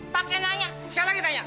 pakai nanya sekali lagi tanya